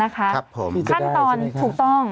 ขั้นตอนถูกต้อง